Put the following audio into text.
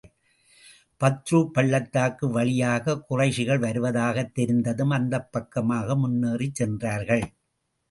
பத்ரு பள்ளத்தாக்கு வழியாகக் குறைஷிகள் வருவதாகத் தெரிந்ததும், அந்தப் பக்கமாக முன்னேறிச் சென்றார்கள்.